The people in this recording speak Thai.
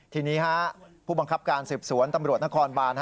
ทีนี้ผู้บังคับการสืบสวนตำรวจนครบาน